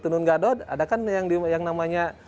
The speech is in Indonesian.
tenun gadot ada kan yang namanya